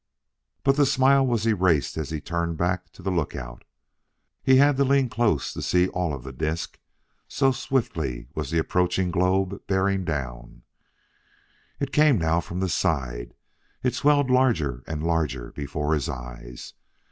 But the smile was erased as he turned back to the lookout. He had to lean close to see all of the disk, so swiftly was the approaching globe bearing down. It came now from the side; it swelled larger and larger before his eyes.